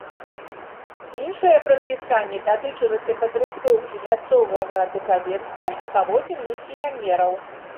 Іншае прадпісанне датычылася падрыхтоўкі мясцовага духавенства і паводзін місіянераў.